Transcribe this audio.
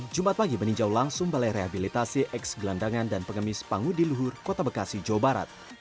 jumat pagi meninjau langsung balai rehabilitasi ex gelandangan dan pengemis pangudi luhur kota bekasi jawa barat